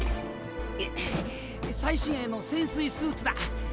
最新鋭の潜水スーツだ。